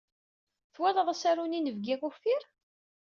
Twalaḍ asaru n Inebgi Uffir?